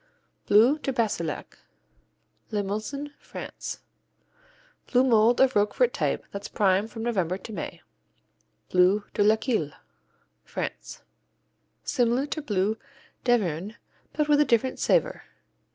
Bleu de Bassillac Limousin, France Blue mold of Roquefort type that's prime from November to May. Bleu de Laqueuille France Similar to Bleu d'Auvergne, but with a different savor.